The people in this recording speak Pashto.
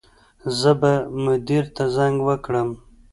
زه به مدیر ته زنګ وکړم